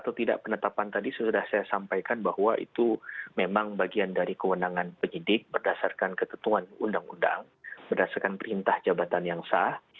atau tidak penetapan tadi sudah saya sampaikan bahwa itu memang bagian dari kewenangan penyidik berdasarkan ketentuan undang undang berdasarkan perintah jabatan yang sah